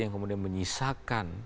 yang kemudian menyisakan